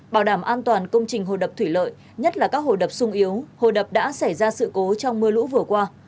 bảo đảm an toàn công trình hồi đập thủy lợi nhất là các hồi đập sung yếu hồi đập đã xảy ra sự cố trong mưa lũ vừa qua